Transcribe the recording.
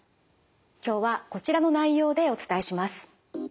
今日はこちらの内容でお伝えします。